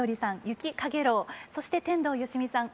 「雪陽炎」そして天童よしみさん